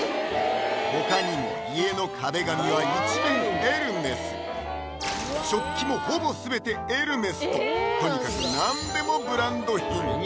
他にも家の壁紙は一面エルメス食器もほぼ全てエルメスととにかく何でもブランド品